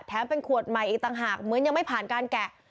เป็นขวดใหม่อีกต่างหากเหมือนยังไม่ผ่านการแกะ